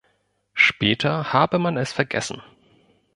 Später habe man es vergessen.